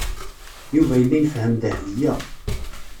Yuba yella yefhem Dahbiya.